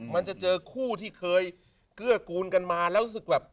มันจะเจอคู่ที่เคยเกื้อกูลกันมาแล้วรู้สึกแบบ